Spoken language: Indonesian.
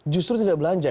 justru tidak belanja ya